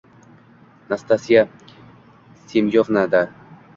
Nastasya Semyonovna-da!